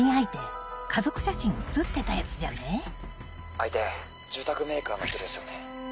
相手住宅メーカーの人ですよね。